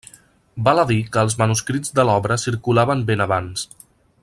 Val a dir que els manuscrits de l'obra circulaven ben abans.